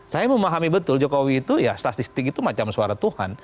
saya memahami betul jokowi itu ya statistik itu macam suara tuhan